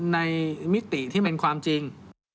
ในมิติที่มีความจริง